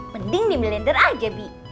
mending di millender aja bi